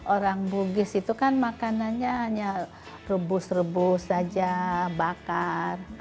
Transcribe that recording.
orang bugis itu kan makanannya hanya rebus rebus saja bakar